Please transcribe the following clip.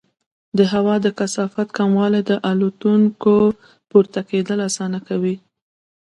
د هوا د کثافت کموالی د الوتکو پورته کېدل اسانه کوي.